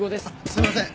すいません。